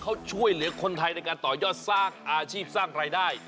เขาช่วยเหลือคนไทยในการต่อยอดสร้างอาชีพสร้างรายได้